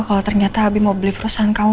kalau ternyata habib mau beli perusahaan kamu